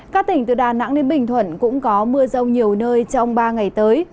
các tỉnh từ đà nẵng đến bình thuận cũng có mưa rông nhiều nơi trong ba ngày tới